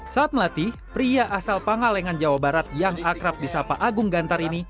saat melatih pria asal pangalengan jawa barat yang akrab di sapa agung gantar ini